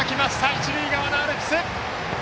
一塁側アルプス！